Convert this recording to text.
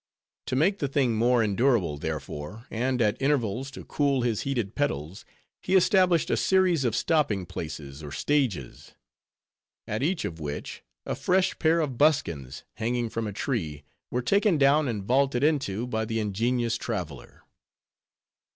To make the thing more endurable, therefore, and, at intervals, to cool his heated pedals, he established a series of stopping places, or stages; at each of which a fresh pair of buskins, hanging from a tree, were taken down and vaulted into by the ingenious traveler.